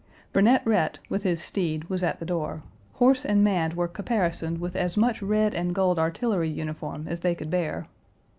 Burnet Rhett, with his steed, was at the door; horse and man were caparisoned with as much red and gold artillery uniform as they could bear.